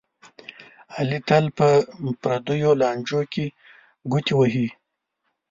علي تل په پردیو لانجو کې ګوتې وهي.